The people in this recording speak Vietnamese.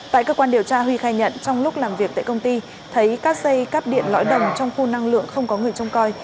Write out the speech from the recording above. tại cơ quan điều tra huy khai nhận trong lúc làm việc tại công ty thấy các dây cắp điện lõi đồng trong khu năng lượng không có người trông coi